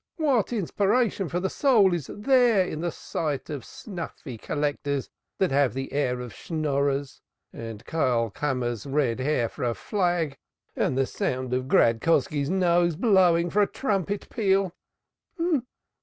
What inspiration for the soul is there in the sight of snuffy collectors that have the air of Schnorrers? with Karlkammer's red hair for a flag and the sound of Gradkoski's nose blowing for a trumpet peal.